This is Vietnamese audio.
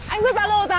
anh rút ba lơ ra